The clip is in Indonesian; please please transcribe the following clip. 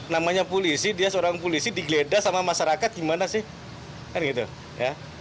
namanya polisi dia seorang polisi digeledah sama masyarakat gimana sih